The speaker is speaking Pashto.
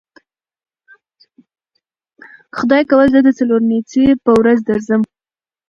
که خدای کول زه د څلورنیځې په ورځ درسم.